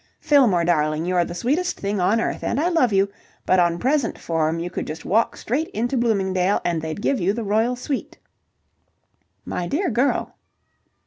"Fillmore, darling, you're the sweetest thing on earth, and I love you, but on present form you could just walk straight into Bloomingdale and they'd give you the royal suite." "My dear girl..."